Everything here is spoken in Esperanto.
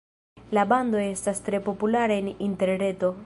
La bando estas tre populara en interreto.